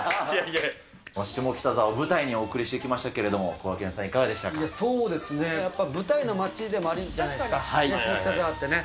下北沢を舞台にお送りしてきましたけれども、こがけんさん、そうですね、やっぱり舞台の街でもあるじゃないですか、下北沢ってね。